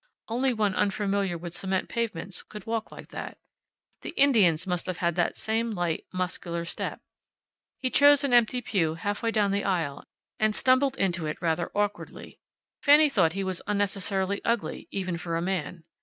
Only one unfamiliar with cement pavements could walk like that. The Indians must have had that same light, muscular step. He chose an empty pew halfway down the aisle and stumbled into it rather awkwardly. Fanny thought he was unnecessarily ugly, even for a man.